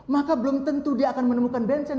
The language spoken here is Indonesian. maka belum tentu dia akan menemukan bensin